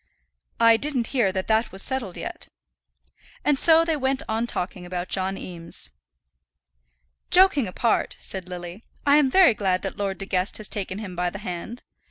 "I didn't hear that that was settled yet." And so they went on talking about John Eames. "Joking apart," said Lily, "I am very glad that Lord De Guest has taken him by the hand.